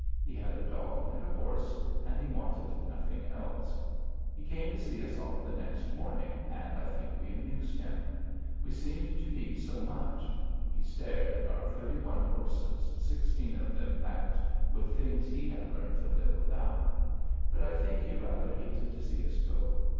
He had a dog and a horse, and he wanted nothing else. He came to see us off the next morning, and I think we amused him. We seemed to need so much. He stared at our thirty one horses, sixteen of them packed with things he had learned to live without. But I think he rather hated to see us go.